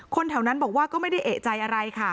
แถวนั้นบอกว่าก็ไม่ได้เอกใจอะไรค่ะ